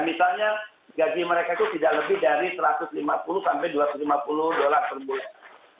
misalnya gaji mereka itu tidak lebih dari satu ratus lima puluh sampai dua ratus lima puluh dolar per bulan